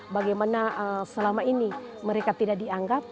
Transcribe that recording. bagaimana selama ini mereka tidak dianggap